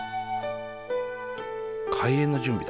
開園の準備だ。